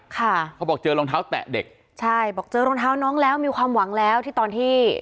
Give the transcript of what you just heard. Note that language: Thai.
เขาบอกเจอรองเท้าแตะเด็กใช่บอกเจอรองเท้าน้องแล้วมีความหวังแล้วที่ตอนที่